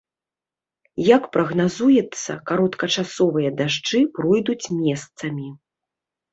Як прагназуецца, кароткачасовыя дажджы пройдуць месцамі.